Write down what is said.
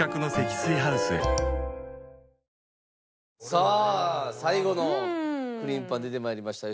ＪＴさあ最後のクリームパン出て参りました。